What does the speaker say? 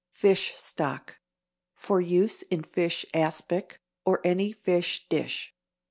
=Fish Stock.= (_For use in fish aspic, or any fish dish.